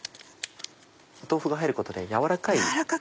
豆腐が入ることでやわらかい。